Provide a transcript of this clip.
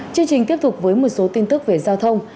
chương trình tiếp tục với một số tin tức về giao thông